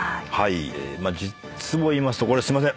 実を言いますとこれすいません。